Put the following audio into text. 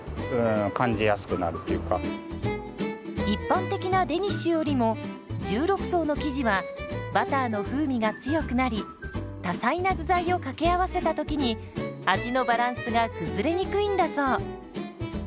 一般的なデニッシュよりも１６層の生地はバターの風味が強くなり多彩な具材を掛け合わせた時に味のバランスが崩れにくいんだそう。